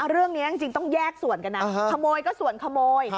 เรื่องนี้จริงต้องแยกส่วนกันนะขโมยก็ส่วนขโมย